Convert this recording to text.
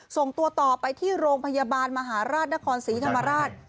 ส่งตัวต่อไปที่โรงพยาบาลมหาราชนครศรีธรรมราช